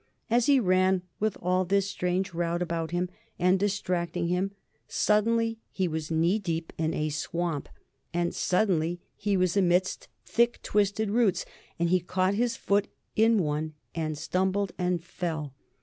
As he ran with all this strange rout about him and distracting him, suddenly he was knee deep in a swamp, and suddenly he was amidst thick twisted roots, and he caught his foot in one and stumbled and fell....